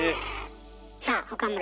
さあ岡村